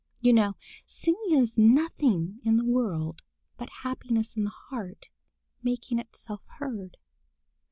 You know singing is nothing in the world but happiness in the heart making itself heard.